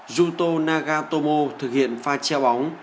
yuto nagatomo thực hiện pha treo bóng